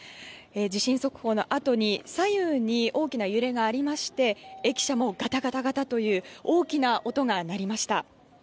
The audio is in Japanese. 地震速報のあとに左右に大きな揺れがありまして駅舎もガタガタと大きな音が鳴りました。